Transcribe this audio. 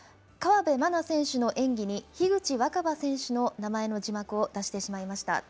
河辺愛菜選手の演技に樋口新葉選手の名前の字幕を出してしまいました。